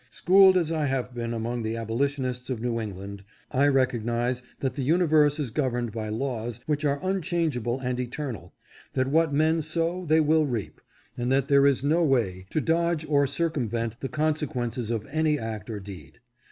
Schooled as I have been among the abolitionists of New England, I recognize that the universe is gov erned by laws which are unchangeable and eternal, that what men sow they will reap, and that there is no way to dodge or circumvent the consequences of any act or deed.